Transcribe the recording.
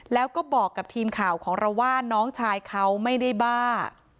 แล้วก็บอกกับทีมข่าวของเราว่าน้องชายเขาไม่ได้บ้า